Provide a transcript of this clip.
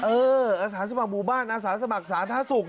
เอออสสมครบูบาลอสสมัครสาธาศุกร์น่ะ